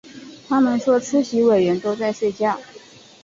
他们说出席委员都在睡觉